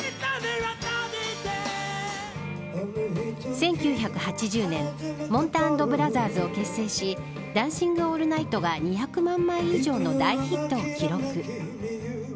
１９８０年もんた＆ブラザーズを結成しダンシング・オールナイトが２００万枚以上の大ヒットを記録。